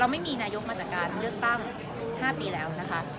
ไม่มีนายกมาจากการเลือกตั้ง๕ปีแล้วนะคะ